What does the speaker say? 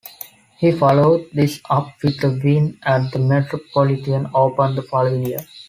He followed this up with a win at the Metropolitan Open the following year.